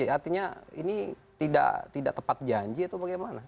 artinya ini tidak tepat janji atau bagaimana